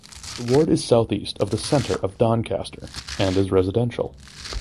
The ward is to the southeast of the centre of Doncaster and is residential.